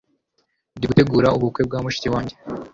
ndigutegura ubukwe bwa mushiki wanjye